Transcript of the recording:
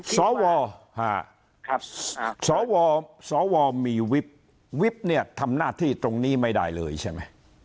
สวสวมีวิบวิบเนี่ยทำหน้าที่ตรงนี้ไม่ได้เลยใช่ไหม